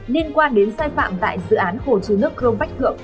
liên quan đến sai phạm tại dự án hồ chứa nước crong bách thượng